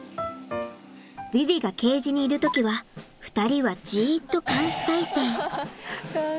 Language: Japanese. ヴィヴィがケージにいる時は２人はじっと監視体制。